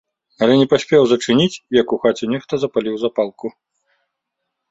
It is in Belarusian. Але не паспеў зачыніць, як у хаце нехта запаліў запалку.